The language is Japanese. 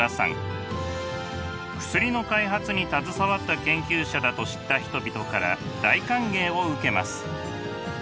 薬の開発に携わった研究者だと知った人々から大歓迎を受けます。